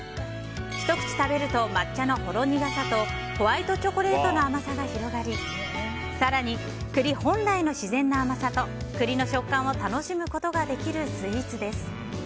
ひと口食べると抹茶のほろ苦さとホワイトチョコレートの甘さが広がり更に栗本来の自然な甘さと栗の食感を楽しむことができるスイーツです。